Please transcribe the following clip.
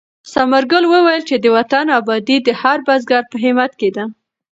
ثمر ګل وویل چې د وطن ابادي د هر بزګر په همت کې ده.